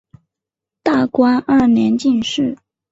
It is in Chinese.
大观二年进士。